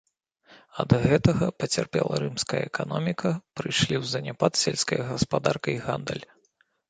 Ад гэтага пацярпела рымская эканоміка, прыйшлі ў заняпад сельская гаспадарка і гандаль.